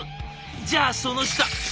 「じゃあその下」。